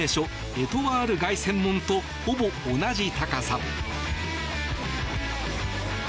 エトワール凱旋門とほぼ同じ高さ。